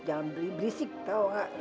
jangan berisik tau gak